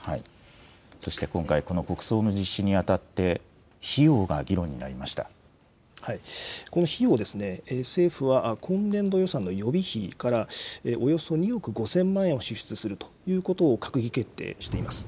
そして今回、この国葬の実施に当たって、費用が議論になりまこの費用ですね、政府は今年度予算の予備費からおよそ２億５０００万円を支出するということを閣議決定しています。